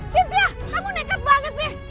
sintia kamu nekat banget sih